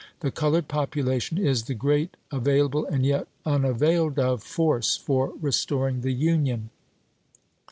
The colored population is the great available and yet unavailed of force for 1863. restoring the Union.